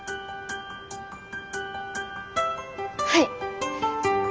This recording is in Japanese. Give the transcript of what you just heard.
はい。